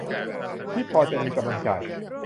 ที่พอจะมีกำลังจ่าย